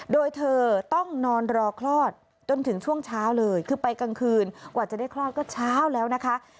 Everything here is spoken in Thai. โดยเธอต้องนอนรอคลอดจนถึงช่วงเช้าเลยคือไปกลางคืนกว่าจะได้คลอดก็เช้าแล้วนะคะ